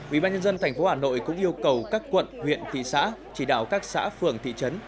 ủy ban nhân dân thành phố hà nội cũng yêu cầu các quận huyện thị xã chỉ đạo các xã phường thị trấn